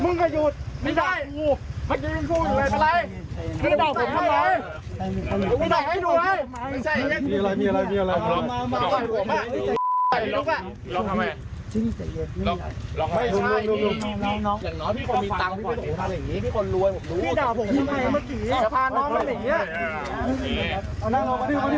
นี่พี่คนรวยนี่นี่ดาวของผมซะผ่านน้องมาหนี